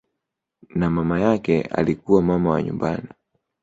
Na mama yake alikuwa mama wa nyumbani